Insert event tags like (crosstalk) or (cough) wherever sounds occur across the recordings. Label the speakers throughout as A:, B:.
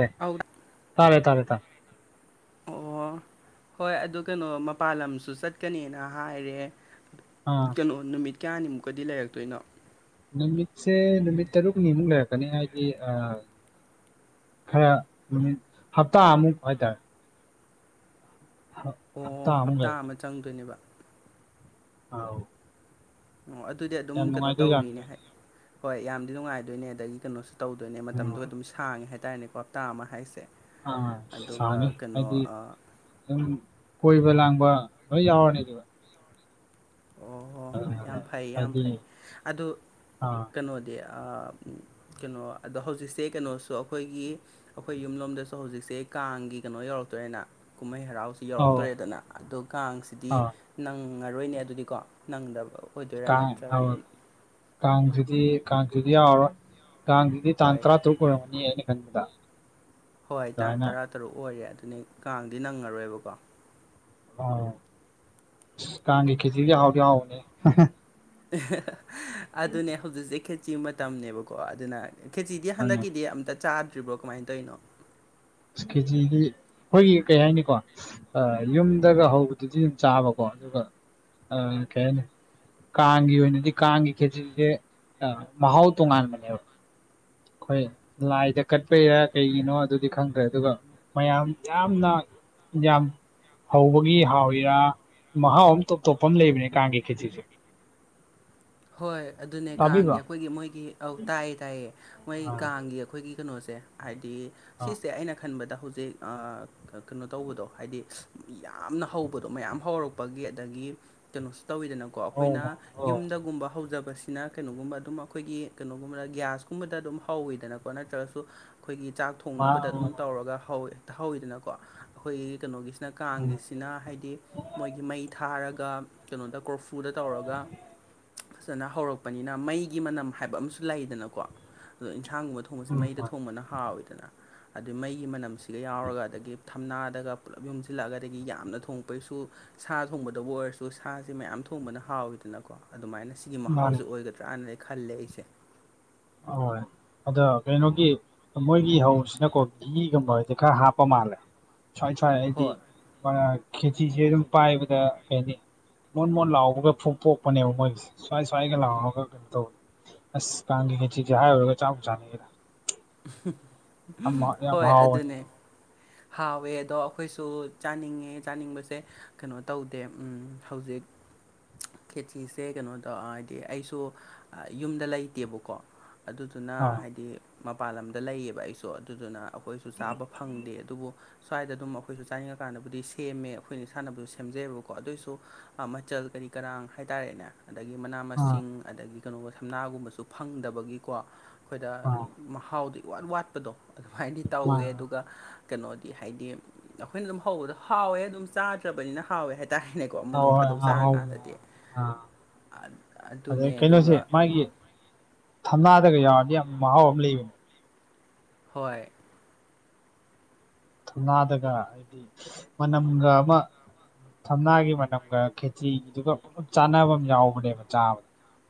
A: ꯑꯦ
B: ꯑꯧ
A: ꯇꯥꯔꯦ ꯇꯔꯦ ꯇꯥꯏ
B: ꯑꯣ ꯍꯣꯏ ꯑꯗꯨ ꯀꯩꯅꯣ ꯃꯄꯥꯟ ꯂꯝꯁꯨ ꯆꯠꯀꯅꯦꯅ ꯍꯥꯏꯔꯦ
A: ꯑꯥ
B: ꯀꯩꯅꯣ ꯅꯨꯃꯤꯠ ꯀꯌꯥꯅꯤꯃꯨꯛꯀꯗꯤ ꯂꯩꯔꯛꯇꯣꯏꯅꯣ
A: ꯅꯨꯃꯤꯠꯁꯦ ꯅꯨꯃꯤꯠ ꯇꯔꯨꯛꯅꯤꯃꯨꯛ ꯂꯩꯔꯛꯀꯅꯤ ꯍꯥꯏꯗꯤ ꯈꯔ ꯅꯨꯃꯤꯠ ꯍꯞꯇꯥꯃꯨꯛ ꯍꯥꯏꯇꯥꯔꯦ
B: ꯑꯣ
A: ꯍꯞꯇꯥꯃꯨꯛ
B: ꯍꯞꯇꯥ ꯑꯃ
A: ꯂꯩꯔꯛꯀꯅꯤ
B: ꯆꯪꯗꯣꯏꯅꯦꯕ
A: ꯑꯥꯎ
B: ꯑꯣ ꯑꯗꯨꯗꯤ ꯑꯗꯨꯝ ꯀꯩꯅꯣ ꯇꯧꯔꯤꯅꯦ
A: ꯖꯥꯠꯅꯤꯗ
B: ꯍꯥꯏ ꯍꯣꯏ ꯌꯥꯝꯗꯤ ꯅꯨꯡꯉꯥꯏꯗꯣꯏꯅꯦ ꯑꯗꯒꯤ ꯀꯩꯅꯣꯁꯨ ꯇꯧꯗꯣꯏꯅꯦ ꯃꯇꯝꯗꯨ
A: ꯑꯥ
B: ꯑꯗꯨꯝ ꯁꯥꯡꯉꯦ ꯍꯥꯏꯇꯥꯔꯅꯦꯀꯣ ꯍꯞꯇꯥ ꯑꯃ ꯍꯥꯏꯁꯦ
A: ꯑꯥ
B: ꯑꯗꯨꯒ
A: ꯁꯥꯡꯉꯤ
B: ꯀꯩꯅꯣ
A: ꯍꯥꯏꯗꯤ ꯑꯗꯨꯝ ꯀꯣꯏꯕ ꯂꯥꯡꯕ ꯂꯣꯏ ꯌꯥꯎꯔꯅꯤ ꯑꯗꯨꯗ
B: ꯑꯣ ꯑꯣ ꯌꯥꯝ ꯐꯩ ꯌꯥꯝ
A: ꯍꯥꯏꯗꯤ
B: ꯐꯩ ꯑꯗꯨ
A: ꯑꯥ
B: ꯀꯩꯅꯣꯗꯤ ꯑ ꯀꯩꯅꯣ ꯑꯗꯣ ꯍꯧꯖꯤꯛꯁꯦ ꯀꯩꯅꯣꯁꯨ ꯑꯩꯈꯣꯏꯒꯤ ꯑꯩꯈꯣꯏ ꯌꯨꯝꯂꯣꯝꯗꯁꯨ ꯍꯧꯖꯤꯛꯁꯦ ꯀꯥꯡꯒꯤ ꯀꯩꯅꯣ ꯌꯧꯔꯛꯇꯣꯔꯦꯅ ꯀꯨꯝꯍꯩ ꯍꯔꯥꯎ
A: ꯑꯧ
B: ꯌꯧꯔꯛꯇꯣꯔꯦꯗꯅ ꯑꯗꯣ ꯀꯥꯡꯁꯤꯗꯤ
A: ꯑꯥ
B: ꯅꯪꯉꯔꯣꯏꯅꯦ ꯑꯗꯨꯗꯤꯀꯣ ꯅꯪꯗꯕ ꯑꯣꯏꯗꯣꯏꯔꯥ
A: ꯀꯥꯡ
B: ꯅꯠꯇ꯭ꯔꯒꯅ
A: ꯀꯥꯡꯁꯤꯗꯤ ꯀꯥꯡꯁꯤꯗꯤ ꯌꯥꯎꯔꯔꯣꯏ ꯀꯥꯡꯁꯤꯗꯤ ꯇꯥꯡ
B: ꯍꯣꯏ
A: ꯇꯔꯥ ꯇꯔꯨꯛ ꯑꯣꯏꯔꯝꯒꯅꯤꯌꯦ ꯑꯩꯅ ꯈꯟꯕꯗ
B: ꯍꯣꯏ ꯇꯥꯡ
A: ꯑꯗꯨꯃꯥꯏꯅ
B: ꯇꯔꯥ ꯇꯔꯨꯛ ꯑꯣꯏꯔꯦ ꯑꯗꯨꯅꯤ ꯀꯥꯡꯗꯤ ꯅꯪꯉ ꯔꯣꯏꯕꯀꯣ
A: ꯑꯥꯎ ꯀꯥꯡꯒꯤ ꯈꯦꯆ꯭ꯔꯤꯗꯤ ꯍꯥꯎꯗꯤ ꯍꯥꯎꯕꯅꯦ
B: ꯑꯗꯨꯅꯦ ꯍꯧꯖꯤꯛꯁꯦ ꯈꯦꯠꯆꯤ ꯃꯇꯝꯅꯦꯕꯀꯣ ꯑꯗꯨꯅ ꯈꯦꯆꯤꯗꯤ
A: ꯑꯗꯨꯅ
B: ꯍꯟꯗꯛꯀꯤꯗꯤ ꯑꯝꯇ ꯆꯥꯗ꯭ꯔꯤꯕ꯭ꯔꯣ ꯀꯃꯥꯏꯅ ꯇꯧꯔꯤꯅꯣ
A: ꯈꯦꯆꯤꯗꯤ ꯑꯩꯈꯣꯏꯒꯤ ꯀꯩ ꯍꯥꯏꯅꯤꯀꯣ ꯑꯥ ꯌꯨꯝꯗꯒ ꯍꯧꯕꯗꯨꯗꯤ ꯑꯗꯨꯝ ꯆꯥꯕꯀꯣ ꯑꯗꯨꯒ ꯀꯩ ꯍꯥꯏꯅꯤ ꯀꯥꯡꯒꯤ ꯑꯣꯏꯅꯗꯤ ꯀꯥꯡꯒꯤ ꯈꯦꯆ꯭ꯔꯤꯗꯨꯗꯤ ꯃꯍꯥꯎ ꯇꯣꯉꯥꯟꯕꯅꯦꯕ ꯑꯩꯈꯣꯏ ꯂꯥꯏꯗ ꯀꯠꯄꯩꯔꯥ ꯀꯩꯒꯤꯅꯣ ꯑꯗꯨꯗꯤ ꯈꯪꯗ꯭ꯔꯦ ꯑꯗꯨꯒ ꯃꯌꯥꯝ ꯌꯥꯝꯅ ꯌꯥꯝ ꯍꯧꯕꯒꯤ ꯍꯥꯎꯔꯤꯔ ꯃꯍꯥꯎ ꯑꯃ ꯇꯣꯞ ꯇꯣꯞꯄ ꯑꯃ ꯂꯩꯕꯅꯦ ꯀꯥꯡꯒꯤ ꯈꯦꯆ꯭ꯔꯤꯖꯦ
B: ꯍꯣꯏ ꯑꯗꯨꯅꯦ ꯀꯥꯡꯒꯤ
A: ꯇꯥꯕꯤꯕ꯭ꯔꯣ
B: ꯑꯩꯈꯣꯏꯒꯤ ꯃꯣꯏꯒꯤ ꯑꯧ ꯇꯥꯏꯌꯦ ꯇꯥꯏꯌꯦ ꯃꯣꯏ
A: ꯑꯥ
B: ꯀꯥꯡꯒꯤ ꯑꯩꯈꯣꯏꯒꯤ ꯀꯩꯅꯣꯁꯦ ꯍꯥꯏꯗꯤ
A: ꯑꯥ
B: ꯁꯤꯁꯦ ꯑꯩꯅ ꯈꯟꯕꯗ ꯍꯧꯖꯤꯛ ꯑꯥ ꯀꯩꯅꯣ ꯇꯧꯕꯗꯣ ꯍꯥꯏꯗꯤ ꯌꯥꯝꯅ ꯍꯧꯕꯗꯣ ꯃꯌꯥꯝ ꯍꯧꯔꯛꯄꯒꯤ ꯑꯗꯒꯤ ꯀꯩꯅꯣꯁꯨ ꯇꯧꯋꯤꯗꯅꯀꯣ
A: ꯑꯧ
B: ꯑꯩꯈꯣꯏꯅ
A: ꯑꯧ
B: ꯌꯨꯝꯗ ꯒꯨꯝꯕ ꯍꯧꯖꯕꯁꯤꯅ ꯀꯩꯅꯣꯒꯨꯝꯕ ꯑꯗꯨꯝ ꯑꯩꯈꯣꯏꯒꯤ ꯀꯩꯅꯣꯒꯨꯝꯕꯗ ꯒ꯭ꯌꯥꯁꯀꯨꯝꯕꯗ ꯑꯗꯨꯝ ꯍꯧꯋꯤꯗꯅꯀꯣ ꯅꯠꯇ꯭ꯔꯒꯁꯨ ꯑꯩꯈꯣꯏꯒꯤ ꯆꯥꯛ
A: ꯃꯥ
B: ꯊꯣꯡꯅꯕꯗ ꯑꯗꯨꯝ ꯇꯧꯔꯒ ꯍꯧ ꯍꯧꯋꯤꯗꯅꯀꯣ ꯑꯩꯈꯣꯏꯒꯤ ꯀꯩꯅꯣꯒꯤ ꯅ
A: ꯎꯝ
B: ꯀꯥꯡꯒꯤꯁꯤꯅ ꯍꯥꯏꯗꯤ ꯃꯣꯏꯒꯤ ꯃꯩ ꯊꯥꯔꯒ ꯀꯩꯅꯣꯗ ꯀꯣꯔꯐꯨꯗ ꯇꯧꯔꯒ ꯐꯖꯅ ꯍꯧꯔꯛꯄꯅꯤꯅ ꯃꯩꯒꯤ ꯃꯅꯝ ꯍꯥꯏꯕ ꯑꯃꯁꯨ ꯂꯩꯗꯅꯀꯣ ꯑꯗꯣ ꯏꯟꯁꯥꯡꯒꯨꯝꯕ ꯊꯣꯡ ꯊꯣꯡꯕꯁꯤꯅ
A: ꯎꯝ
B: ꯃꯩꯗ ꯊꯣꯡꯕꯅ ꯍꯥꯎꯋꯤꯗꯅ ꯑꯗꯨꯏ ꯃꯩꯒꯤ ꯃꯅꯝꯁꯤꯒ ꯌꯥꯎꯔꯒ ꯑꯗꯒꯤ ꯊꯝꯅꯥꯗꯒ ꯄꯨꯂꯞ ꯌꯣꯝꯁꯤꯜꯂꯛꯑꯒꯗꯒꯤ ꯌꯥꯝꯅ ꯊꯣꯡꯉꯛꯄꯒꯤꯁꯨ ꯁꯥ ꯊꯣꯡꯕꯗꯕꯨ ꯑꯣꯏꯔꯁꯨ ꯁꯥꯁꯦ ꯃꯌꯥꯝ ꯊꯣꯡꯕꯅ ꯍꯥꯎꯋꯤꯗꯅꯀꯣ ꯑꯗꯨꯃꯥꯏꯅ ꯁꯤꯒꯤ ꯃꯍꯥꯎꯁꯦ
A: ꯃꯥꯅꯤ
B: ꯑꯣꯏꯒꯗ꯭ꯔꯥꯅ ꯑꯩ ꯈꯜꯂꯦ ꯑꯩꯁꯦ
A: ꯑꯗꯣ ꯀꯩꯅꯣꯒꯤ ꯃꯣꯏꯒꯤ ꯍꯧꯕꯁꯤꯅꯀꯣ ꯘꯤꯒꯨꯝꯕꯁꯤ ꯈꯔ ꯍꯥꯞꯄ ꯃꯥꯜꯂꯦ ꯁ꯭ꯋꯥꯏ ꯁ꯭ꯋꯥꯏ ꯍꯥꯏꯗꯤ
B: ꯍꯣꯏ
A: (unintelligible) ꯈꯦꯆꯤꯁꯦ ꯑꯗꯨꯝ ꯄꯥꯏꯕꯗ ꯀꯩ ꯍꯥꯏꯅꯤ ꯃꯣꯟ ꯃꯣꯟ ꯂꯥꯎꯕꯒ ꯐꯨ ꯄꯣꯛꯄꯅꯦꯕ ꯃꯣꯏꯁꯦ ꯁ꯭ꯋꯥꯏ ꯁ꯭ꯋꯥꯏꯒ ꯂꯥꯎꯔꯒ ꯀꯩꯅꯣ ꯇꯧꯕꯅꯦ ꯑꯁ ꯀꯥꯡꯒꯤ ꯈꯦꯆꯤꯁꯦ ꯍꯥꯏꯔꯨꯒ ꯆꯥꯕꯨ ꯆꯥꯅꯤꯡꯉꯤꯗ ꯌꯥꯝ ꯌꯥꯝ
B: ꯍꯣꯏ
A: ꯍꯥꯎꯕꯅꯦ
B: ꯑꯗꯨꯅꯦ ꯍꯥꯎꯋꯦ ꯑꯗꯣ ꯑꯩꯈꯣꯏꯁꯨ ꯆꯥꯅꯤꯡꯉꯦ ꯆꯥꯅꯤꯡꯕꯁꯦ ꯀꯩꯅꯣ ꯇꯧꯗꯦ ꯍꯧꯖꯤꯛ ꯈꯦꯆꯤꯁꯦ ꯀꯩꯅꯣ ꯇꯧ ꯍꯥꯏꯗꯤ ꯑꯩꯁꯨ ꯌꯨꯝꯗ ꯂꯩꯇꯦꯕꯀꯣ ꯑꯗꯨꯗꯨꯅ
A: ꯑꯥ
B: ꯍꯥꯏꯗꯤ ꯃꯄꯥꯟ ꯂꯝꯗ ꯂꯩꯌꯦꯕ ꯑꯩꯁꯨ ꯑꯗꯨꯗꯨꯅ ꯑꯩꯈꯣꯏꯁꯨ ꯆꯥꯕ ꯐꯪꯗꯦ ꯑꯗꯨꯕꯨ ꯁ꯭ꯋꯥꯏꯗ ꯑꯗꯨꯝ ꯑꯩꯈꯣꯏꯁꯨ ꯆꯥꯅꯤꯡꯉꯀꯥꯟꯗꯕꯨꯗꯤ ꯁꯦꯝꯃꯦ ꯑꯩꯈꯣꯏꯅ ꯏꯁꯥꯅꯕꯨ ꯁꯦꯝꯖꯩꯌꯦꯕꯀꯣ ꯑꯗꯨꯑꯣꯏꯁꯨ ꯃꯆꯜ ꯀꯔꯤ ꯀꯔꯥꯡ ꯍꯥꯏꯇꯥꯔꯦꯅꯦ ꯑꯗꯒꯤ ꯃꯅꯥ
A: ꯑꯥ
B: ꯃꯁꯤꯡ ꯑꯗꯒꯤ ꯀꯩꯅꯣꯒꯕ ꯊꯝꯅꯥꯒꯨꯝꯕꯁꯨ ꯐꯪꯗꯕꯒꯤꯀꯣ ꯑꯩꯈꯣꯏꯗ
A: ꯑꯥ
B: ꯃꯍꯥꯎꯗꯤ ꯏꯋꯥꯠ ꯋꯥꯠꯄꯗꯣ ꯑꯗꯨꯃꯥꯏꯅꯗꯤ ꯇꯧꯋꯦ
A: ꯃꯥꯅꯦ
B: ꯑꯗꯨꯒ ꯀꯩꯅꯣꯗꯤ ꯍꯥꯏꯗꯤ ꯑꯩꯈꯣꯏꯅ ꯑꯗꯨꯝ ꯍꯧꯕꯗꯣ ꯍꯥꯎꯋꯦ ꯑꯗꯨꯝ ꯆꯥꯗ꯭ꯔꯕꯅꯤꯅ ꯍꯥꯎꯋꯦ ꯍꯥꯏꯗꯤ ꯇꯥꯥꯔꯦꯅꯦꯀꯣ
A: ꯍꯣꯏ
B: ꯅꯣꯡ ꯐꯥꯗꯣꯛ
A: ꯍꯣꯏ ꯍꯥꯎꯕꯅꯦ
B: ꯆꯥꯔꯀꯥꯟꯗꯗꯤ
A: ꯑꯥ
B: ꯑꯗꯨꯅꯦ ꯑꯗꯨꯒ
A: ꯊꯝꯅꯥ ꯀꯩ ꯀꯩ ꯌꯥꯎꯔꯗꯤ ꯌꯥꯝ ꯃꯍꯥꯎ ꯑꯃ ꯂꯩꯕꯅꯦ
B: ꯍꯣꯏ
A: ꯊꯝꯅꯥꯗꯒ ꯍꯥꯏꯗꯤ ꯃꯅꯝꯒ ꯑꯃ ꯊꯝꯅꯥꯒꯤ ꯃꯅꯝꯒ ꯈꯦꯆ꯭ꯔꯤꯗꯨꯒ ꯄꯨꯂꯞ ꯆꯥꯟꯅꯕ ꯑꯃ ꯌꯥꯎꯕꯅꯦꯕ ꯆꯥꯕꯗ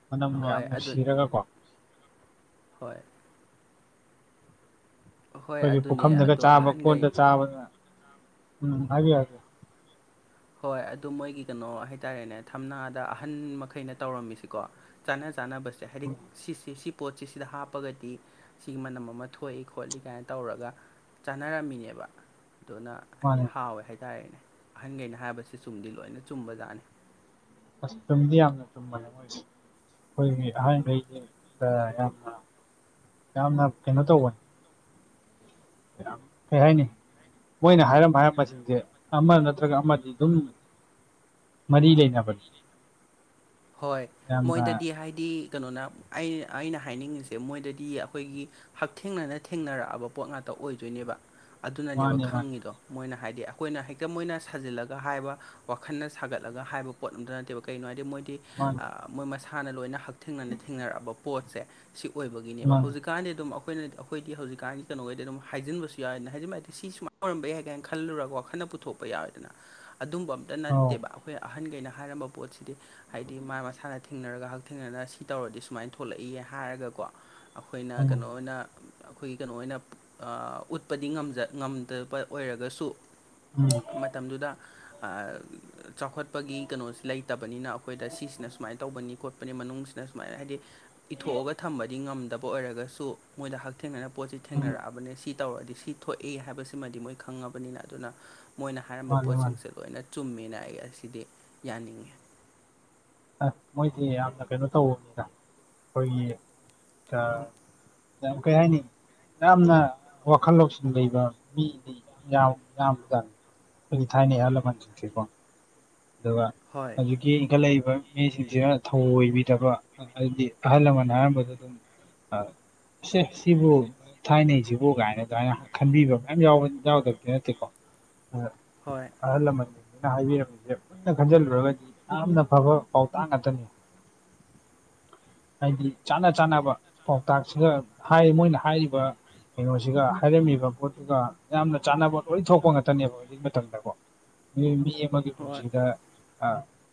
A: ꯃꯅꯝꯒ
B: ꯍꯣꯏ
A: ꯌꯥꯝ
B: ꯑꯗꯨ
A: ꯅꯨꯡꯁꯤꯔꯒ ꯀꯣ
B: ꯍꯣꯏ ꯍꯣꯏ
A: ꯑꯩꯈꯣꯏꯒꯤ
B: ꯑꯗꯨꯅꯦ
A: ꯄꯨꯈꯝꯗꯒ
B: ꯑꯗꯣ
A: ꯆꯥꯕ
B: ꯑꯍꯟꯈꯩ
A: ꯀꯣꯟꯗ ꯆꯥꯕꯗꯨꯅ ꯎꯝ ꯍꯥꯏꯕꯤꯌꯨ ꯍꯥꯏꯕꯤꯌꯨ
B: ꯍꯣꯏ ꯑꯗꯨ ꯃꯣꯏꯒꯤ ꯀꯩꯅꯣ ꯍꯥꯏꯇꯥꯔꯦꯅꯦ ꯊꯝꯅꯥꯗ ꯑꯍꯟ ꯃꯈꯩꯅ ꯇꯧꯔꯝꯃꯤꯁꯤꯀꯣ ꯆꯅꯥ ꯆꯅꯥꯕꯁꯦ ꯍꯥꯏꯗꯤ ꯁꯤ ꯁꯤ ꯁꯤ ꯄꯣꯠꯁꯤ ꯁꯤꯗ ꯍꯥꯞꯄꯒꯗꯤ ꯁꯤꯒꯤ ꯃꯅꯝ ꯑꯃ ꯊꯣꯛꯏ ꯈꯣꯠꯂꯤ ꯀꯥꯏꯅ ꯇꯧꯔꯒ ꯆꯥꯟꯅꯔꯝꯃꯤꯅꯦꯕ ꯑꯗꯨꯅ ꯍꯥꯏꯗꯤ
A: ꯃꯥꯅꯦ
B: ꯍꯥꯎꯋꯦ ꯍꯥꯏꯇꯥꯔꯦꯅꯦ ꯑꯍꯟꯈꯩꯅ ꯍꯥꯏꯕꯁꯤ ꯆꯨꯝꯗꯤ ꯂꯣꯏꯅ ꯆꯨꯝꯕ ꯖꯥꯠꯅꯤ
A: ꯑꯁ ꯆꯨꯝꯗꯤ ꯌꯥꯝꯅ ꯆꯨꯝꯕꯅꯦ ꯃꯣꯏꯁꯦ ꯑꯩꯈꯣꯏꯒꯤ ꯑꯍꯥꯟꯈꯩꯁꯤ ꯌꯥꯝꯅ ꯌꯥꯝꯅ ꯀꯩꯅꯣ ꯇꯧꯕꯅꯤ ꯀꯩ ꯍꯥꯏꯅꯤ ꯃꯣꯏꯅ ꯍꯥꯏꯔꯝꯕ ꯍꯥꯏꯔꯝꯕꯁꯤꯡꯁꯦ ꯑꯃ ꯅꯠꯇ꯭ꯔꯒ ꯑꯃꯗꯤ ꯑꯗꯨꯝ ꯃꯔꯤ ꯂꯩꯅꯩ (unintelligible)
B: ꯍꯣꯏ ꯃꯣꯏꯗꯗꯤ ꯍꯥꯏꯗꯤ ꯀꯩꯅꯣꯅ ꯑꯩ ꯑꯩꯅ ꯍꯥꯏꯅꯤꯡꯉꯤꯁꯦ ꯃꯣꯏꯗꯗꯤ ꯑꯩꯈꯣꯏꯒꯤ ꯍꯛꯊꯦꯡꯅꯅ ꯊꯦꯡꯅꯔꯛꯑꯕ ꯄꯣꯠ ꯉꯥꯛꯇ ꯑꯣꯏꯗꯣꯏꯅꯦꯕ ꯑꯗꯨꯅꯅꯦꯕ
A: ꯃꯥꯅꯤ ꯃꯥꯅꯤ
B: ꯈꯪꯉꯤꯗꯣ ꯃꯣꯏꯅ ꯍꯥꯏꯗꯤ ꯑꯩꯈꯣꯏꯅ ꯍꯦꯛꯇ ꯃꯣꯏꯅ ꯁꯥꯖꯤꯜꯂꯒ ꯍꯥꯏꯕ ꯋꯥꯈꯜꯅ ꯁꯥꯒꯠꯂꯒ ꯍꯥꯏꯕ ꯄꯣꯠ ꯑꯝꯇ ꯅꯠꯇꯦꯕ ꯀꯔꯤꯅꯣ ꯍꯥꯏꯗꯤ ꯃꯣꯏꯗꯤ
A: ꯃꯥꯅꯤ
B: ꯃꯣꯏ ꯃꯁꯥꯅ ꯂꯣꯏꯅ ꯍꯛꯊꯦꯡꯅꯅ ꯊꯦꯡꯅꯔꯛꯑꯕ ꯄꯣꯠꯁꯦ ꯁꯤ ꯑꯣꯏꯕꯒꯤꯅꯦꯕ
A: ꯃꯥꯅꯤ
B: ꯍꯧꯖꯤꯛ ꯍꯧꯖꯤꯀꯥꯟꯗꯤ ꯑꯗꯨꯝ ꯑꯩꯈꯣꯏꯅ ꯑꯩꯈꯣꯏ ꯍꯧꯖꯤꯛꯀꯥꯟꯗꯤ ꯀꯩꯅꯣ ꯑꯣꯏꯗꯤ ꯑꯗꯨꯝ ꯍꯥꯏꯖꯤꯟꯕꯁꯨ ꯌꯥꯏꯅ ꯍꯥꯏꯖꯤꯟꯕ ꯍꯥꯏꯗꯤ ꯁꯤ ꯁꯨꯃꯥꯏꯅ ꯑꯣꯏꯔꯝꯕ ꯌꯥꯏ ꯀꯥꯏꯅ ꯈꯜꯂꯨꯔꯒ ꯋꯥꯈꯜꯅ ꯄꯨꯊꯣꯛꯄ ꯌꯥꯎꯋꯦꯗꯅ ꯑꯗꯨꯝꯕ
A: ꯑꯧ
B: ꯅꯠꯇꯦꯕ ꯑꯩꯈꯣꯏ ꯑꯍꯟꯈꯩꯅ ꯍꯥꯏꯔꯝꯕ ꯄꯣꯠꯁꯤꯗꯤ ꯍꯥꯏꯗꯤ ꯃꯥ ꯃꯁꯥꯅ ꯊꯦꯡꯅꯔꯒ ꯍꯛꯊꯦꯡꯅꯅ ꯁꯤ ꯇꯧꯔꯗꯤ ꯁꯨꯃꯥꯏꯅ ꯊꯣꯛꯂꯛꯏ ꯍꯥꯏꯔꯒꯀꯣ ꯑꯩꯈꯣꯏꯅ
A: ꯎꯝ
B: ꯀꯩꯅꯣ ꯑꯣꯏꯅ ꯑꯩꯈꯣꯏꯒꯤ ꯀꯩꯅꯣ ꯑꯣꯏꯅ ꯎꯠꯄꯗꯤ ꯉꯝꯗꯕ ꯑꯣꯏꯔꯒꯁꯨ
A: ꯎꯝ
B: ꯃꯇꯝꯗꯨꯗ ꯆꯥꯎꯈꯠꯄꯒꯤ ꯀꯩꯅꯣꯁꯦ ꯂꯩꯇꯕꯅꯤꯅ ꯑꯩ ꯑꯩꯈꯣꯏꯗ ꯁꯤꯁꯤꯅ ꯁꯨꯃꯥꯏꯅ ꯇꯧꯕꯅꯤ ꯈꯣꯠꯄꯅꯤ ꯃꯅꯨꯡꯁꯤꯗ ꯁꯨꯃꯥꯏꯅ ꯍꯥꯏꯗꯤ ꯏꯊꯣꯛꯑꯒ ꯊꯝꯕꯗꯤ ꯉꯝꯗꯕ ꯑꯣꯏꯔꯒꯁꯨ ꯃꯣꯏꯗ ꯍꯛꯊꯦꯡꯅꯅ ꯄꯣꯠꯁꯤ
A: ꯎꯝ
B: ꯊꯦꯡꯅꯔꯛꯑꯕꯅꯦ ꯁꯤ ꯇꯧꯔꯗꯤ ꯁꯤ ꯊꯣꯛꯏ ꯍꯥꯏꯕꯁꯤꯃꯗꯤ ꯃꯣꯏ ꯈꯪꯉꯕꯅꯤꯅ ꯑꯗꯨꯅ ꯃꯣꯏꯅ ꯍꯥꯏꯔꯝꯕ
A: ꯃꯥꯅꯤ ꯃꯥꯅꯤ
B: ꯄꯣꯠꯁꯤꯡꯁꯦ ꯂꯣꯏꯅ ꯆꯨꯝꯃꯦꯅ ꯑꯩ ꯑꯁꯤꯗꯤ ꯌꯥꯅꯤꯡꯉꯤ
A: ꯑꯥ ꯃꯣꯏꯗꯤ ꯌꯥꯝꯅ ꯀꯩꯅꯣ ꯇꯧꯕꯅꯤꯗ ꯑꯩꯈꯣꯏꯒꯤ ꯑꯥ ꯌꯥꯝ ꯀꯩ ꯍꯥꯏꯅꯤ ꯌꯥꯝꯅ ꯋꯥꯈꯜ ꯂꯧꯁꯤꯡ ꯂꯩꯕ ꯃꯤꯅꯤ (unintelligible) ꯑꯩꯈꯣꯢ ꯊꯥꯢꯅꯩ ꯑꯍꯥꯟ ꯂꯃꯥꯟꯁꯤꯡꯁꯦ ꯑꯗꯨꯒ
B: ꯍꯣꯏ
A: ꯍꯧꯖꯤꯛ ꯀꯤ ꯏꯟꯈꯠꯂꯛꯏꯕ ꯃꯤꯁꯤꯡꯁꯤꯅ ꯊꯧꯑꯣꯏꯕꯤꯗꯕ ꯍꯥꯏꯗꯤ ꯑꯍꯜ ꯂꯃꯟ ꯍꯥꯏꯔꯝꯕꯗꯨ ꯑꯗꯨꯝ ꯑ ꯁꯦ ꯁꯤꯕꯨ ꯊꯥꯏꯅꯩꯁꯤꯕꯨ ꯀꯥꯏꯅ ꯑꯗꯨꯃꯥꯏꯅ ꯈꯟꯕꯤꯕ ꯃꯌꯥꯝ ꯌꯥꯎꯗꯕꯗꯤ ꯅꯠꯇꯦꯀꯣ ꯑꯥ
B: ꯍꯣꯏ
A: ꯑꯍꯜ ꯂꯃꯟꯁꯤꯡꯅꯤꯅ ꯍꯥꯏꯕꯤꯔꯝꯃꯤꯁꯦ ꯃꯨꯟꯅ ꯈꯟꯖꯤꯜꯂꯨꯔꯒꯗꯤ ꯌꯥꯝꯅ ꯐꯕ ꯄꯥꯎꯇꯥꯛ ꯉꯥꯛꯇꯅꯤ ꯍꯥꯏꯗꯤ ꯆꯥꯅ ꯆꯥꯅꯕ ꯄꯥꯎꯇꯥꯛꯁꯤꯒ ꯍꯥꯏ ꯃꯣꯏꯅ ꯍꯥꯏꯔꯤꯕ ꯀꯩꯅꯣꯁꯤꯒ ꯍꯥꯏꯔꯝꯃꯤꯕ ꯄꯣꯠꯇꯨꯒ ꯌꯥꯝꯅ ꯆꯥꯅꯕ ꯂꯣꯏ ꯊꯣꯛꯄ ꯉꯥꯛꯇꯅꯦꯕ ꯍꯧꯖꯤꯛꯒꯤ ꯃꯇꯝꯗꯀꯣ (unintelligible) ꯑꯩꯒꯤ
B: ꯍꯣꯏ
A: ꯄꯨꯟꯁꯤꯗ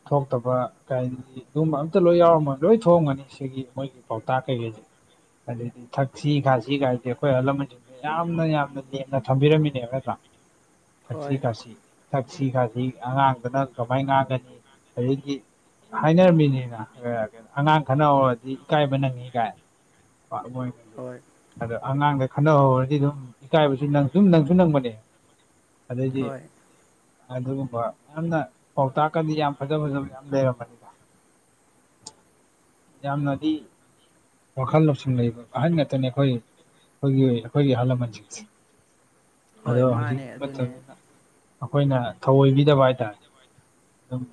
A: ꯊꯣꯛꯇꯕ ꯀꯥꯏ ꯑꯗꯨꯒꯨꯝꯕ ꯑꯝꯇ ꯂꯣꯏ ꯌꯥꯎꯔꯝꯃꯣꯏ ꯂꯣꯏ ꯊꯣꯛꯑꯝꯒꯅꯤ ꯁꯤꯒꯤ ꯃꯣꯏꯒꯤ ꯄꯥꯎꯇꯥꯛ ꯀꯩꯀꯩꯁꯦ ꯑꯗꯨꯗꯗꯤ ꯊꯥꯛꯁꯤ ꯈꯥꯁꯤ ꯀꯥꯏꯁꯦ ꯑꯩꯈꯣꯏ ꯑꯍꯜ ꯂꯃꯟꯁꯤꯡ ꯌꯥꯝꯅ ꯌꯥꯝꯅ ꯂꯦꯝꯅ ꯊꯝꯕꯤꯔꯝꯃꯤꯅꯦꯕ ꯅꯠꯇꯔꯥ ꯊꯥꯛꯁꯤ
B: ꯍꯣꯏ
A: ꯈꯥꯁꯤ ꯊꯥꯛꯁꯤ ꯈꯥꯁꯤ ꯑꯉꯥꯡꯗꯅ ꯀꯃꯥꯏꯅ ꯉꯥꯡꯒꯅꯤ ꯑꯗꯒꯤ ꯍꯥꯏꯅꯔꯝꯃꯤꯅꯤꯅ ꯑꯥ ꯑꯉꯥꯡ ꯈꯟꯅ ꯍꯧꯔꯗꯤ ꯏꯀꯥꯏꯕ ꯅꯪꯉꯤ ꯀꯥꯏꯅ
B: ꯍꯣꯏ
A: ꯑꯗꯣ ꯑꯉꯥꯡꯗ ꯈꯟꯅ ꯍꯧꯔꯗꯤ ꯑꯗꯨꯝ ꯏꯀꯥꯏꯕꯁꯨ ꯅꯪ ꯁꯨꯝ ꯅꯪꯁꯨ ꯅꯪꯕꯅꯦ ꯑꯗꯩꯗꯤ
B: ꯍꯣꯏ
A: ꯑꯗꯨꯒꯨꯝꯕ ꯌꯥꯝꯅ ꯄꯥꯎꯇꯥꯛꯀꯗꯤ ꯌꯥꯝ ꯐꯖ ꯐꯖꯕ ꯌꯥꯝ ꯂꯩꯔꯝꯕꯅꯤ ꯌꯥꯝꯅꯗꯤ ꯋꯥꯈꯜ ꯂꯧꯁꯤꯡ ꯂꯩꯕ ꯑꯍꯟ ꯉꯥꯛꯇꯅꯦ ꯑꯩꯈꯣꯏ ꯑꯩꯈꯣꯏꯒꯤ ꯑꯩꯈꯣꯏꯒꯤ ꯑꯍꯜ ꯂꯃꯟꯁꯤꯡꯁꯦ ꯑꯗꯣ
B: ꯍꯣꯏ
A: ꯍꯧꯖꯤꯛ
B: ꯃꯥꯅꯦ ꯑꯗꯨꯅꯦ
A: ꯃꯇꯝꯁꯤꯅ ꯑꯩꯈꯣꯏꯅ ꯊꯧꯑꯣꯏꯕꯤꯗꯕ ꯍꯥꯏꯇꯥꯔꯦ ꯑꯗꯨꯝ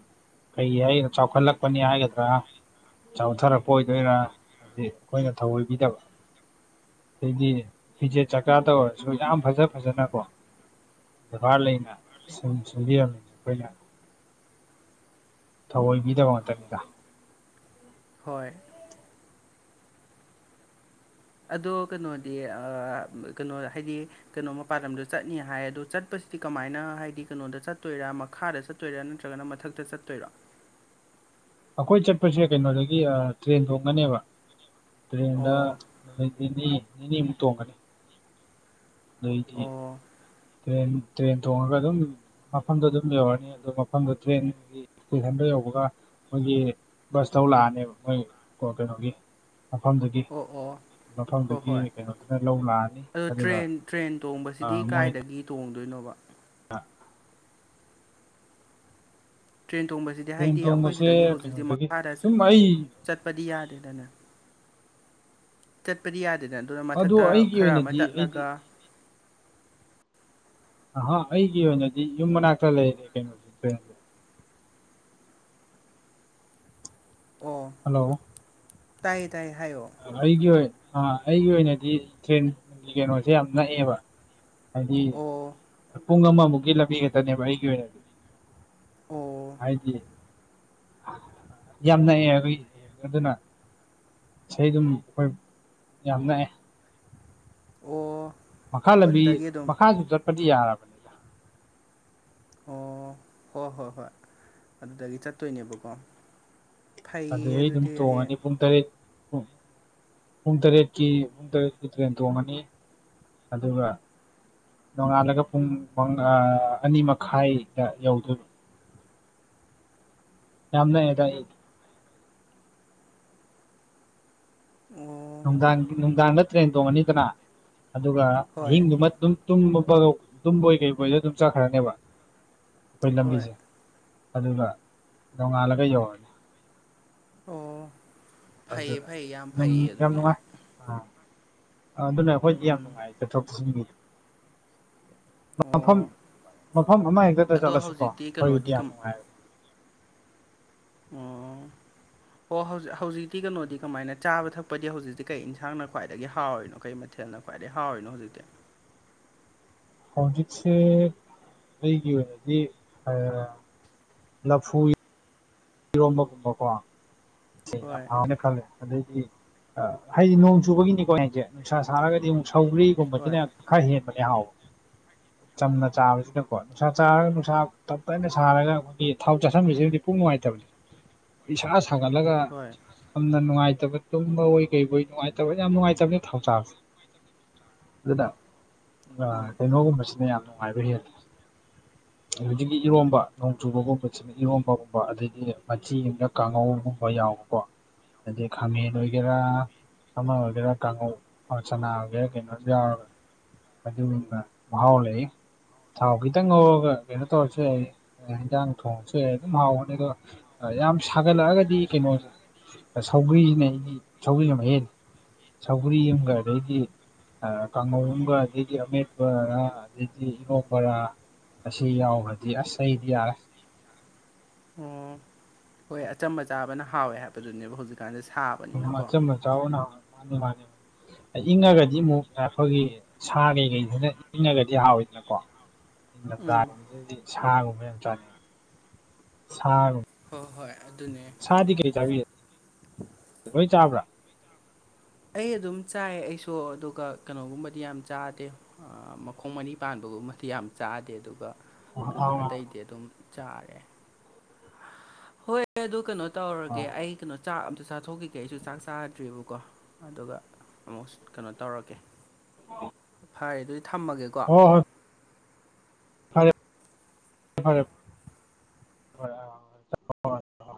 A: ꯀꯩ ꯍꯥꯏ ꯆꯥꯎꯈꯜꯂꯛꯄꯅꯤ ꯍꯥꯏꯒꯗ꯭ꯔꯥ ꯆꯥꯎꯊꯔꯛꯄ ꯑꯣꯏꯗꯣꯏꯔꯥ ꯍꯥꯏꯗꯤ ꯑꯩꯈꯣꯏꯅ ꯊꯧꯑꯣꯏꯕꯤꯗꯕ ꯑꯗꯩꯗꯤ ꯐꯤꯖꯦꯠ ꯆꯀꯥꯗ ꯑꯣꯏꯔꯁꯨ ꯌꯥꯝ ꯐꯖ ꯐꯖꯅꯀꯣ ꯕꯦꯕꯥꯔ ꯂꯩꯅ ꯁꯤꯟ ꯁꯤꯟꯕꯤꯔꯝꯃꯤꯅ ꯑꯩꯈꯣꯏꯅ ꯊꯧꯑꯣꯏꯕꯤꯗꯕ ꯃꯇꯝꯅꯤꯗ
B: ꯍꯣꯏ ꯑꯗꯣ ꯀꯩꯅꯣꯗꯤ (unintelligible) ꯀꯩꯅꯣ ꯍꯥꯏꯗꯤ ꯀꯩꯅꯣ ꯃꯄꯥꯟ ꯂꯝꯗ ꯆꯠꯅꯤ ꯍꯥꯏ ꯑꯗꯣ ꯆꯠꯄꯁꯤꯗꯤ ꯀꯃꯥꯏꯅ ꯍꯥꯏꯗꯤ ꯀꯩꯅꯣꯗ ꯆꯠꯇꯣꯏꯔꯥ ꯃꯈꯥꯗ ꯆꯠ ꯆꯠꯇꯣꯏꯔꯥ ꯅꯠꯇ꯭ꯔꯒꯅ ꯃꯊꯛꯇ ꯆꯠꯇꯣꯏꯔꯥ
A: ꯑꯩꯈꯣꯏ ꯆꯠꯄꯁꯦ ꯀꯩꯅꯣꯗꯒꯤ ꯇ꯭ꯔꯦꯟ ꯇꯣꯡꯉꯅꯦꯕ ꯇ꯭ꯔꯦꯟꯗ
B: ꯑꯣ
A: ꯅꯤꯅꯤ ꯅꯤꯅꯤꯃꯨꯛ ꯇꯣꯡꯒꯅꯤ (unintelligible)
B: ꯑꯣ
A: ꯇ꯭ꯔꯦꯟ ꯇ꯭ꯔꯦꯟ ꯇꯣꯡꯉꯒ ꯑꯗꯨꯝ ꯃꯐꯝꯗꯣ ꯑꯗꯨꯝ ꯌꯧꯔꯅꯤ ꯑꯗꯣ ꯃꯐꯝꯗꯣ ꯇ꯭ꯔꯦꯟꯒꯤ ꯏꯁꯇꯦꯁꯟꯗ ꯌꯧꯕꯒ ꯃꯈꯣꯏꯒꯤ ꯕꯁꯊꯧ ꯂꯥꯛꯑꯅꯦꯕ ꯃꯣꯏ ꯀ ꯀꯩꯅꯣꯒꯤ ꯃꯐꯝꯗꯨꯗꯒꯤ
B: ꯑꯣ ꯑꯣ ꯍꯣꯏ
A: ꯃꯐꯝꯗꯨꯗꯒꯤ
B: ꯍꯣꯏ
A: ꯀꯩꯅꯣꯗꯨꯅ ꯂꯧ ꯂꯥꯛꯑꯅꯤ
B: ꯑꯗꯣ
A: ꯑꯗꯨꯒ
B: ꯇ꯭ꯔꯦꯟ ꯇ꯭ꯔꯦꯟ ꯇꯣꯡꯕꯁꯤꯗꯤ
A: ꯃꯣꯏꯅ
B: ꯀꯥꯏꯗꯒꯤ ꯇꯣꯡꯗꯣꯏꯅꯣꯕ
A: (inaudible)
B: ꯇ꯭ꯔꯦꯟ ꯊꯣꯡꯕꯁꯤꯗꯤ
A: ꯇꯨꯔꯦꯟ
B: ꯍꯥꯏꯗꯤ ꯑꯩꯈꯣꯏ
A: ꯇꯣꯡꯕꯁꯦ
B: ꯁꯤꯗꯒꯤ ꯍꯧꯖꯤꯛꯇꯤ
A: ꯀꯩꯅꯣꯗꯒꯤ
B: ꯃꯈꯥꯗ
A: ꯑꯗꯨꯝ ꯑꯩ
B: ꯆꯠꯄꯗꯤ ꯌꯥꯗꯦꯗꯅ ꯆꯠꯄꯗꯤ ꯌꯥꯗꯦꯗ
A: ꯑꯗꯨ
B: ꯃꯊꯛꯇ
A: ꯑꯩꯒꯤ
B: ꯈꯔ ꯑꯃ
A: ꯑꯣꯏꯅꯗꯤ ꯑꯩꯗꯤ
B: ꯇꯠꯂꯒ
A: ꯑ ꯑꯩꯒꯤ ꯑꯣꯏꯅꯗꯤ ꯌꯨꯝ ꯃꯅꯥꯛꯇ ꯂꯩꯔꯦ
B: ꯑꯣ
A: ꯍꯜꯂꯣ
B: ꯇꯥꯏꯌꯦ ꯇꯥꯏꯌꯦ ꯍꯥꯏꯌꯣ
A: ꯑꯩꯒꯤ ꯑꯣꯏ ꯑꯩꯒꯤ ꯑꯣꯏꯅꯗꯤ ꯇ꯭ꯔꯦꯟ ꯀꯩꯅꯣꯁꯦ ꯌꯥꯝ ꯅꯛꯑꯦꯕ ꯍꯥꯏꯗꯤ
B: ꯑꯣ
A: ꯄꯨꯡ ꯑꯃꯃꯨꯛꯀꯤ ꯂꯝꯕꯤꯈꯛꯇꯅꯦꯕ ꯑꯩꯒꯤ ꯑꯣꯏꯅꯗꯤ
B: ꯑꯣ
A: ꯍꯥꯏꯗꯤ ꯌꯥꯝꯅꯛ‍ꯑꯦ ꯑꯩꯗꯤ ꯑꯗꯨꯅ ꯁꯩ ꯑꯗꯨꯝ ꯑꯩꯈꯣꯏ ꯌꯥꯝ ꯅꯛꯑꯦ
B: ꯑꯣ
A: ꯃꯈꯥ
B: ꯍꯣꯏ
A: ꯂꯝꯕꯤ
B: ꯑꯗꯨꯗꯒꯤ ꯑꯗꯨꯝ
A: ꯃꯈꯥꯁꯨ ꯆꯠꯄꯗꯤ ꯌꯥꯔꯕꯅꯤ
B: ꯑꯣ ꯍꯣꯏ ꯍꯣꯏ ꯍꯣꯏ ꯑꯗꯨꯗꯒꯤ ꯆꯠꯇꯣꯏꯅꯦꯕꯀꯣ
A: ꯑꯗꯨ
B: ꯐꯩꯌꯦ
A: ꯗꯩ ꯑꯗꯨꯝ
B: ꯑꯗꯨꯗꯤ ꯍꯌꯦꯡ
A: ꯇꯣꯡꯉꯅꯤ ꯄꯨꯡ ꯇꯔꯦꯠ ꯄꯨꯡ ꯇꯔꯦꯠꯀꯤ ꯄꯨꯡ ꯇꯔꯦꯠꯀꯤ ꯇ꯭ꯔꯦꯟ ꯇꯣꯡꯉꯅꯤ ꯑꯗꯨꯒ ꯅꯣꯡꯉꯥꯜꯂꯒ ꯄꯨꯡ (unintelligible) ꯑꯅꯤ ꯃꯈꯥꯏꯗ ꯌꯧꯗꯣꯏꯕ ꯌꯥꯝ ꯅꯥꯛꯑꯦꯗ
B: ꯑꯣ
A: ꯅꯨꯡꯗꯥꯡ ꯅꯨꯡꯗꯥꯡꯗ ꯇ꯭ꯔꯦꯟ ꯇꯣꯡꯉꯅꯤꯗꯅ ꯑꯗꯨꯒ
B: ꯍꯣꯏ
A: ꯑꯍꯤꯡꯗꯨꯃ ꯑꯗꯨꯝ (unintelligible) ꯇꯨꯝꯕꯣꯏ ꯀꯩꯕꯣꯏꯗ ꯑꯗꯨꯝ ꯆꯠꯈ꯭ꯔꯅꯦꯕ ꯑꯩꯈꯣꯏ
B: ꯍꯣꯏ
A: ꯂꯝꯕꯤꯁꯦ ꯑꯗꯨꯒ ꯅꯣꯡꯉꯥꯜꯂꯒ ꯌꯧꯔꯅꯤ
B: ꯑꯣ ꯐꯩꯌꯦ
A: ꯑꯗꯨꯅ
B: ꯐꯩꯌꯦ ꯌꯥꯝ
A: ꯗꯨꯝ
B: ꯐꯩꯌꯦ
A: ꯌꯥꯝ
B: ꯑꯗꯨꯗꯤ
A: ꯅꯨꯡꯉꯥꯏ ꯑꯥ ꯑꯗꯨꯅ ꯑꯩꯈꯣꯏꯗꯤ ꯌꯥꯝ
B: ꯎꯝ
A: ꯅꯨꯡꯉꯥꯏ ꯆꯠꯊꯣꯛ ꯆꯠꯁꯤꯟꯒꯤꯗꯤ ꯃꯐꯝ
B: ꯑꯣ
A: ꯃꯐꯝ ꯑꯃꯍꯦꯛꯇꯗ
B: ꯑꯗꯣ
A: ꯆꯠꯂꯁꯨꯀꯣ
B: ꯍꯧꯖꯤꯛꯇꯤ
A: ꯑꯩꯈꯣꯏꯗꯤ
B: ꯀꯩꯅꯣꯗꯤ
A: ꯌꯥꯝ
B: ꯀꯝ
A: ꯅꯨꯡꯉꯥꯏ
B: ꯎꯝ ꯑꯣ ꯍꯧꯖꯤꯛ ꯍꯧꯖꯤꯛꯇꯤ ꯀꯩꯅꯣꯗꯤ ꯀꯃꯥꯏꯅ ꯆꯥꯕ ꯊꯛꯄꯗꯤ ꯍꯧꯖꯤꯛꯇꯤ ꯀꯩ ꯏꯟꯁꯥꯡꯅ ꯈ꯭ꯋꯥꯏꯗꯒꯤ ꯍꯥꯎꯔꯤꯅꯣ ꯀꯩ ꯃꯊꯦꯜꯅ ꯈ꯭ꯋꯥꯏꯗꯩ ꯍꯥꯎꯔꯤꯅꯣ ꯍꯧꯖꯤꯛꯇꯤ
A: ꯍꯧꯖꯤꯛꯁꯦ ꯑꯩꯒꯤ ꯑꯣꯏꯅꯗꯤ (unintelligible) ꯂꯐꯨ (inaudible) ꯏꯔꯣꯝꯕꯒꯨꯝꯕꯀꯣ ꯁꯤ ꯌꯥꯝ
B: ꯍꯣꯏ
A: ꯍꯥꯎꯅꯦ ꯈꯜꯂꯦ ꯑꯗꯩꯗꯤ ꯍꯥꯏꯗꯤ ꯅꯣꯡ ꯆꯨꯕꯒꯤꯅꯤꯀꯣ ꯑꯩꯅ ꯍꯥꯏꯖꯦ ꯅꯨꯡꯁꯥ ꯁꯥꯔꯒꯗꯤ ꯑꯃꯨꯛ
B: ꯍꯣꯏ
A: ꯁꯧꯒ꯭ꯔꯤꯒꯨꯝꯕꯁꯤꯅ ꯈꯔ ꯍꯦꯟꯕꯅꯦ ꯍꯥꯎꯕ
B: (inaudible)
A: ꯆꯝꯅ ꯆꯥꯕꯁꯤꯅꯀꯣ ꯅꯨꯡꯁꯥ ꯆꯥꯔꯒ ꯅꯨꯡꯁꯥ ꯇꯞ ꯇꯅ ꯁꯥꯔꯒ ꯑꯩꯈꯣꯏꯒꯤ ꯊꯥꯎ ꯆꯥꯥꯁꯟꯕꯁꯤꯕꯨꯗꯤ ꯄꯨꯛ ꯅꯨꯡꯉꯥꯏꯇꯕꯅꯤ ꯏꯁꯥ ꯁꯥꯒꯠꯂꯒ
B: ꯍꯣꯏ
A: ꯌꯥꯝꯅ ꯅꯨꯡꯉꯥꯏꯇꯕ ꯇꯨꯝꯕ ꯑꯣꯏ ꯀꯩ ꯑꯣꯏ ꯅꯨꯡꯉꯥꯏꯇꯕ ꯌꯥꯝ ꯅꯨꯡꯉꯥꯏꯇꯕꯅꯦ ꯊꯥꯎ ꯆꯥꯕꯁꯦ ꯑꯗꯨꯅ
B: ꯍꯣꯏ
A: ꯀꯩꯅꯣꯒꯨꯝꯕꯁꯤꯅ ꯌꯥꯝ ꯅꯨꯡꯉꯥꯏꯕ ꯍꯦꯜꯂꯤ ꯑꯗꯨꯗꯒꯤ ꯏꯔꯣꯝꯕ ꯅꯣꯡ ꯆꯨꯕꯒꯨꯝꯕꯁꯦ ꯏꯔꯣꯟꯝꯕꯒꯨꯌꯝꯕ ꯑꯗꯩꯗꯤ ꯃꯆꯤꯒꯨꯝꯅ ꯀꯥꯡꯉꯧꯒꯨꯝꯕ ꯌꯥꯎꯕꯀꯣ ꯑꯗꯩ ꯈꯥꯃꯦꯟ ꯑꫭꯏꯒꯦꯔ ꯑꯃ ꯑꯣꯏꯒꯦꯔꯥ ꯀꯥꯡꯉꯧ ꯆꯅꯥ ꯑꯣꯏꯒꯦꯔꯥ ꯀꯩꯅꯣꯝ ꯌꯥꯎꯔꯒ ꯑꯗꯨ (unintelligible) ꯃꯍꯥꯎ ꯂꯩ ꯊꯥꯎ ꯈꯤꯇꯪ ꯉꯧꯔꯒ ꯀꯩꯅꯣ ꯇꯧꯔꯁꯨ ꯌꯥꯏꯌꯦ ꯏꯟꯖꯥꯡ ꯊꯣꯡꯁꯨ ꯑꯩ ꯑꯗꯨꯝ ꯍꯥꯎꯕꯅꯤꯗ ꯌꯥꯝ ꯁꯥꯒꯠꯂꯛꯑꯒꯗꯤ ꯀꯩꯅꯣꯁꯦ ꯁꯧꯒ꯭ꯔꯤꯅꯦ ꯑꯩꯗꯤ ꯁꯧꯒ꯭ꯔꯤꯅ ꯃꯍ ꯍꯦꯅꯤ ꯁꯧꯒꯔꯤ ꯑꯃꯒ ꯑꯗꯩꯗꯤ ꯀꯥꯡꯉꯧ ꯑꯃꯒ ꯑꯗꯩꯗꯤ ꯑꯃꯦꯠꯄꯔꯥ ꯑꯗꯩꯗꯤ ꯏꯔꯣꯛꯕꯔꯥ ꯑꯁꯤ ꯌꯥꯎꯒꯔꯗꯤ ꯑꯁ ꯑꯩꯗꯤ ꯌꯥꯔꯦ
B: ꯑꯣ ꯍꯣꯏ ꯑꯆꯝꯕ ꯆꯥꯕꯅ ꯍꯥꯎꯋꯦ ꯍꯥꯏꯕꯗꯨꯅꯦꯕ ꯍꯧꯖꯤꯛꯀꯥꯟꯗ ꯁꯥꯕ
A: ꯃꯆꯝꯕ ꯆꯕꯅꯥ ꯍꯥꯎꯋꯦ ꯃꯥꯅꯤ ꯃꯥꯅꯤ ꯑꯍꯤꯡꯅꯒꯗꯤ ꯑꯃꯨꯛ (unintelligible) ꯁꯥꯔꯤ ꯉꯩꯗꯅ (unintelligible) ꯍꯥꯎꯋꯤꯗꯅꯀꯣ ꯅꯤꯡ
B: ꯎꯝ
A: ꯂꯝꯊꯥꯒꯨꯝꯕꯁꯤꯗꯤ ꯁꯥꯒꯨꯝꯕ ꯌꯥꯝ ꯆꯥꯅꯤꯡꯉꯤ ꯁꯥꯒꯨꯝ
B: ꯍꯣꯏ ꯍꯣꯏ ꯑꯗꯨꯅꯦ
A: ꯈꯥꯗꯤ ꯀꯩ ꯆꯥꯕꯤꯒꯦ ꯂꯣꯏ ꯆꯥꯕ꯭ꯔꯥ
B: ꯑꯩ ꯑꯗꯨꯝ ꯆꯥꯏ ꯑꯩꯁꯨ ꯑꯗꯨꯒ ꯀꯩꯅꯣꯒꯨꯝꯕꯗꯤ ꯌꯥꯝ ꯆꯥꯗꯦ ꯃꯈꯣꯡ ꯃꯔꯤ ꯄꯥꯟꯕꯒꯨꯝꯕꯗꯤ ꯌꯥꯝ ꯆꯥꯗꯦ ꯑꯗꯨꯒ
A: ꯑꯥ
B: ꯀꯩꯅꯣ
A: ꯑꯥ
B: ꯑꯇꯩꯗꯤ ꯑꯗꯨꯝ ꯆꯥꯔꯦ ꯍꯣꯏ ꯑꯗꯨ ꯀꯩꯅꯣ ꯇꯧꯔꯒꯦ
A: ꯑꯥ
B: ꯑꯩ ꯀꯩꯅꯣ ꯆꯥꯛ ꯑꯝꯇ ꯆꯥꯊꯣꯛꯈꯤꯒꯦ ꯑꯩꯁꯨ ꯆꯥꯛ ꯆꯥꯗ꯭ꯔꯤꯕꯑꯕꯀꯣ ꯑꯗꯨꯒ ꯑꯃꯨꯛ ꯀꯩꯅꯣ ꯇꯧꯔꯛꯀꯦ
A: (inaudible)
B: ꯐꯔꯦ ꯑꯗꯨꯗꯤ ꯊꯝꯃꯒꯦꯀꯣ
A: ꯍꫭ ꯍꯣꯏ ꯐꯔꯦꯦ ꯐꯔꯦ ꯐꯔꯦ ꯐꯔꯦ ꯑꯥ